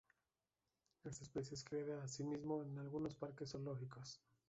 Esta especie es criada asimismo en algunos parques zoológicos.